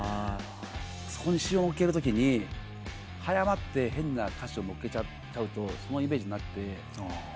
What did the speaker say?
そこに詞を乗っけるときに早まって変な歌詞を乗っけちゃうとそのイメージになって。